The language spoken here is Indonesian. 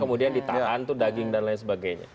kemudian ditahan itu daging dan lain sebagainya